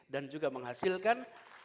dan juga menghasilkan